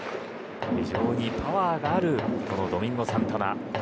非常にパワーがあるドミンゴ・サンタナ。